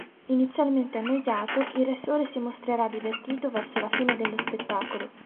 Inizialmente annoiato, il Re Sole si mostrerà divertito verso la fine dello spettacolo.